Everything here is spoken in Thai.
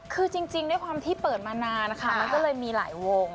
คือจริงด้วยความที่เปิดมานานนะคะมันก็เลยมีหลายวง